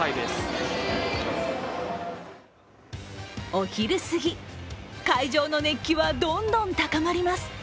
お昼過ぎ会場の熱気はどんどん高まります。